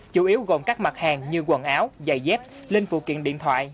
chủ yếu gồm các mặt hàng như quần áo giày dép linh phụ kiện điện thoại